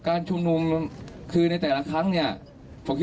การชมนุมในแบบนี้